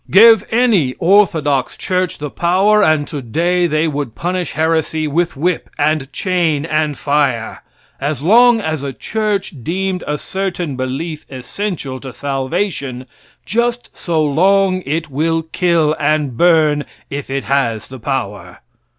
Give any orthodox church the power, and today they would punish heresy with whip, and chain, and fire. As long as a church deemed a certain belief essential to salvation, just so long it will kill and burn if it has the power.